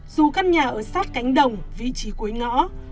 dù căn nhà ở sát cánh đồng vị trí cuối ngõ